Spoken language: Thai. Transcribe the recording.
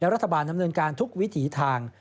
รัฐบาลดำเนินการทุกวิถีทาง